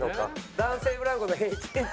男性ブランコが平均値